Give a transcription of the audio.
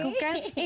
iya itu kan